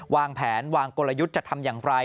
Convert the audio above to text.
วางแผนวางกลยุทธ์จะทำอย่างไร